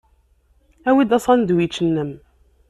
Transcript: Awi-d asandwič-nnem.